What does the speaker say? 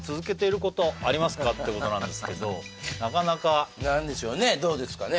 ってことなんですけどなかなか何でしょうねどうですかね